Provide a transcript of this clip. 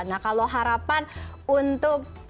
nah kalau harapan untuk kembali ke negara